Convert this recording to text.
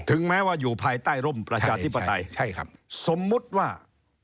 ถึงแม้ว่าอยู่ภายใต้ร่มประชาธิปไตย